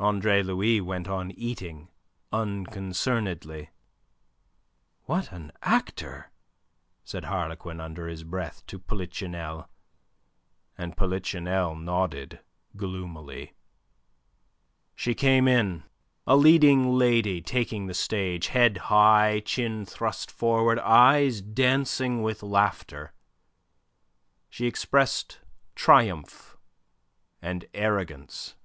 Andre Louis went on eating unconcernedly. "What an actor!" said Harlequin under his breath to Polichinelle, and Polichinelle nodded gloomily. She came in, a leading lady taking the stage, head high, chin thrust forward, eyes dancing with laughter; she expressed triumph and arrogance.